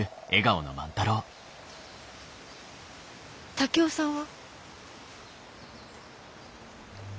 竹雄さんは？